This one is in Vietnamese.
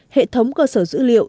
hệ thống cơ sở dữ liệu